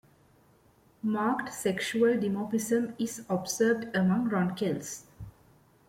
Marked sexual dimorphism is observed among ronquils.